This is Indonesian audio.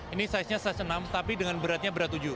ini size nya size enam tapi dengan beratnya berat tujuh